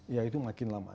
ya itu makin lama